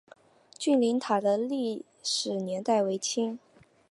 君灵塔的历史年代为清。